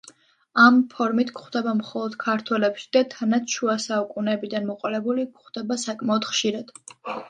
ამ ფორმით გვხვდება მხოლოდ ქართველებში და თანაც, შუა საუკუნეებიდან მოყოლებული, გვხვდება საკმაოდ ხშირად.